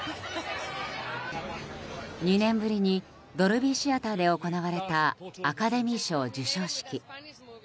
２年ぶりにドルビー・シアターで行われたアカデミー賞授賞式。